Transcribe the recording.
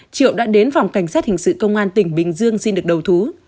triệu đã đến phòng cảnh sát hình sự công an tỉnh bình dương xin được đầu thú